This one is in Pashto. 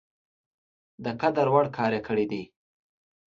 د قدر وړ کار یې کړی دی.